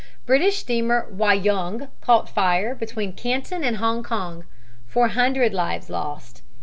British steamer Wah Young caught fire between Canton and Hong Kong; 400 lives lost.